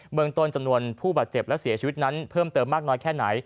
เมืองต้นจำนวนผู้บาดเจ็บและเสียชีวิตนั้นเพิ่มเติมมากน้อยแค่ไหน